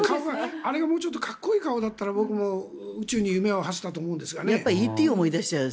あれがもうちょっとかっこいい顔だったら宇宙に思いをはせたと思うんですけどね。